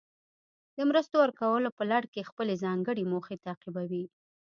د مرستو ورکولو په لړ کې خپلې ځانګړې موخې تعقیبوي.